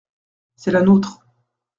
C’est la nôtre.